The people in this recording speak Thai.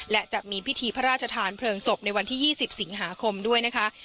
และจะมีพิธีพระราชทานเพลิงศพในวันที่๒๐สิงหาคมด้วยนะคะ